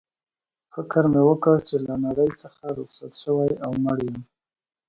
فکر مې وکړ چي له نړۍ څخه رخصت شوی او مړ یم.